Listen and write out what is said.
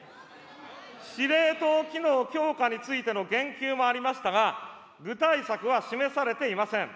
司令塔機能強化についての言及もありましたが、具体策は示されていません。